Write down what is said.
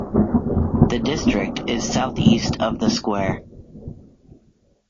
The district is southeast of the square.